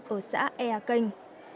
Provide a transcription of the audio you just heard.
ở xã ea canh